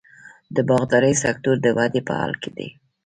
د باغدارۍ سکتور د ودې په حال کې دی.